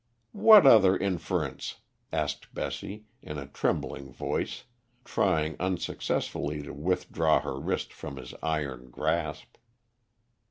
"What other inference?" asked Bessie, in a trembling voice, trying unsuccessfully to withdraw her wrist from his iron grasp.